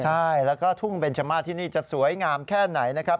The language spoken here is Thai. ใช่แล้วก็ทุ่งเบนจมาสที่นี่จะสวยงามแค่ไหนนะครับ